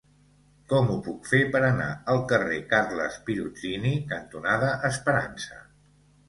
Com ho puc fer per anar al carrer Carles Pirozzini cantonada Esperança?